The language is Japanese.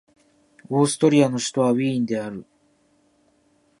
オーストリアの首都はウィーンである